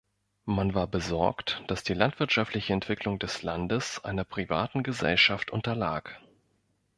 Man war besorgt, dass die landwirtschaftliche Entwicklung des Landes einer privaten Gesellschaft unterlag.